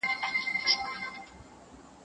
حکومت باید د شومو پرېکړو مخنیوی ونه ځنډوي.